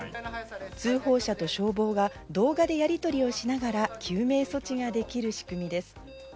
通報者と消防が動画でやりとりをしながら、救命措置ができる仕組みです。